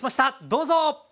どうぞ！